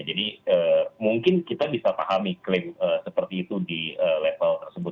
jadi mungkin kita bisa pahami klaim seperti itu di level tersebut